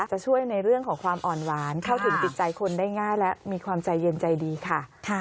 จะช่วยในเรื่องของความอ่อนหวานเข้าถึงจิตใจคนได้ง่ายและมีความใจเย็นใจดีค่ะ